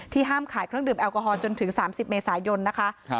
ห้ามขายเครื่องดื่มแอลกอฮอลจนถึง๓๐เมษายนนะคะ